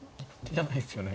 じゃないですよね。